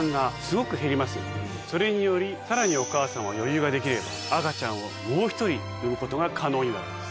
それによりさらにお母さんは余裕ができれば赤ちゃんをもう１人産むことが可能になります。